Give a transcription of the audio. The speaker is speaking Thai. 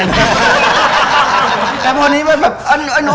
เดี๋ยวพี่ป๋องมาดูที่ตกลงมู้ไปเยอะตอนนี้เป็นยังไง